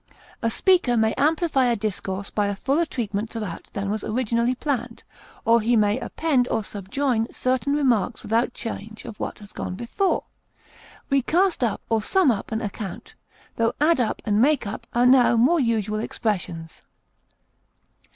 A speaker may amplify a discourse by a fuller treatment throughout than was originally planned, or he may append or subjoin certain remarks without change of what has gone before. We cast up or sum up an account, though add up and make up are now more usual expressions.